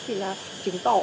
thì là chứng tỏ